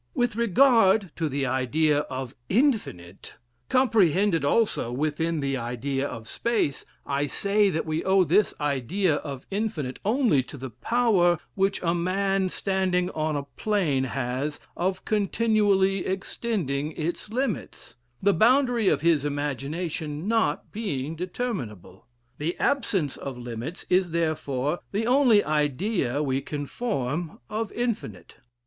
With regard to the idea of Infinite, comprehended also within the idea of Space, I say that we owe this idea of Infinite only to the power which a man standing on a plain has of continually extending its limits, the boundary of his imagination not being determinable: the absence of limits is therefore the only idea we can form of Infinite.